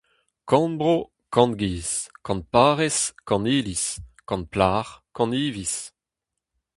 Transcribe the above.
Kant bro kant giz, kant parrez kant iliz, kant plac'h kant hiviz.